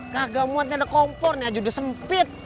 gagal muatnya ada kompor nih aja udah sempit